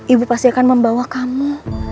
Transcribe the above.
ibu pasti akan membawa kamu